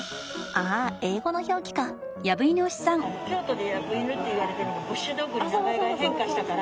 あ英語の表記か。